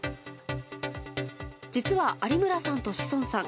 実は、有村さんと志尊さん